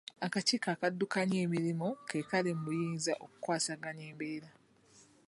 Akakiiko akaddukanya emirimu ke kaali mu buyinza okwasaganya embeera